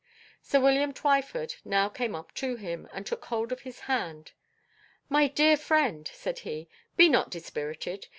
Sir William Twyford now came up to him, and took hold of his hand. "My dear friend," said he, "be not dispirited.